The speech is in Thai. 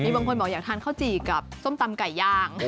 บางคนบอกอยากทานข้าวจี่กับส้มตำไก่ย่าง